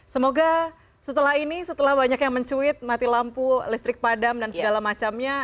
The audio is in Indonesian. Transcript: semoga setelah ini setelah banyak yang mencuit mati lampu listrik padam dan segala macamnya